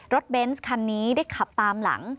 เบนส์คันนี้ได้ขับตามหลัง